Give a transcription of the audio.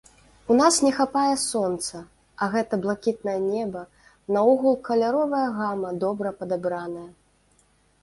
У нас не хапае сонца, а гэта блакітнае неба, наогул каляровая гама добра падабраная.